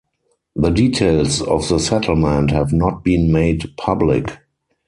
The details of the settlement have not been made public.